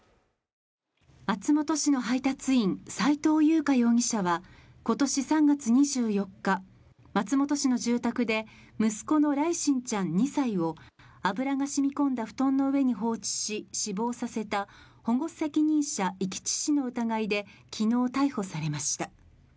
松本市の配達員斉藤優花容疑者は今年３月２４日松本市の住宅で、息子の來心ちゃん２歳を油が染み込んだ布団の上に放置し、死亡させた保護責任者遺棄致死の疑いできのう逮捕されました。